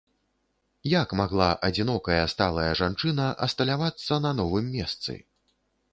Як магла адзінокая сталая жанчына асталявацца на новым месцы?